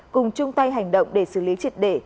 cùng chung tay hành động để xử lý triệt để